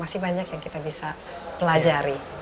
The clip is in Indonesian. masih banyak yang kita bisa pelajari